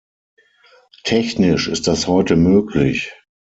Technisch ist das heute möglich.